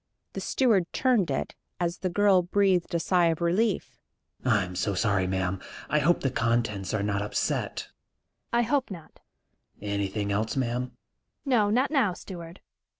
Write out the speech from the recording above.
The steward turned it, as the girl breathed a sigh of relief. "I'm so sorry, ma'am. I hope the contents are not upset." "I hope not." "Anything else, ma'am?" "No, not now, steward?